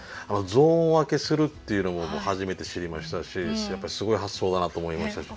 ゾーン分けするっていうのも初めて知りましたしやっぱすごい発想だなと思いました。